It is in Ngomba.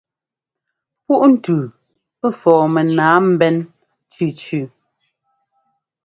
Púʼntʉʉ fɔɔ mɛnǎa mbɛ́n cʉcʉ.